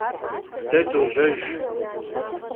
De dojejj.